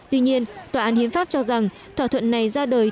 tuy nhiên tòa án hiến pháp cho rằng thỏa thuận này ra đời